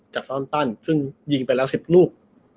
ซ่อนตันซึ่งยิงไปแล้ว๑๐ลูก